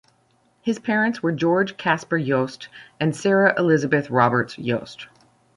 His parents were George Casper Yost and Sarah Elizabeth Roberts Yost.